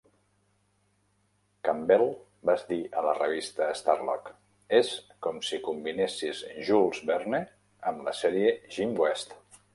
Campbell va dir a la revista Starlog: "és com si combinessis Jules Verne amb la sèrie 'Jim West'".